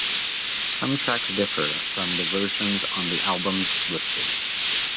Some tracks differ from the versions on the albums listed.